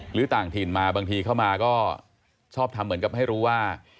หรือต่างถิ่นมาบางทีเข้ามาก็ชอบทำเหมือนกับให้รู้ว่า